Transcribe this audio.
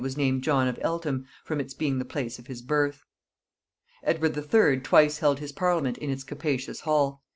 was named John of Eltham, from its being the place of his birth. Edward III. twice held his parliament in its capacious hall.